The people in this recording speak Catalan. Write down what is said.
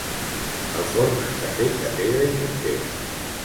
El forn està fet de pedra i morter.